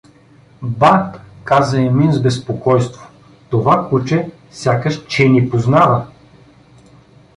— Ба! — каза Емин с безпокойство. — Това куче сякаш че ни познава!